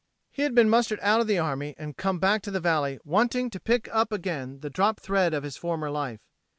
He had been mustered out of the army and come back to the valley wanting to pick up again the dropped thread of his former life.